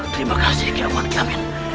terima kasih kiaman kiamin